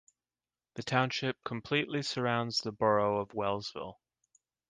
The township completely surrounds the borough of Wellsville.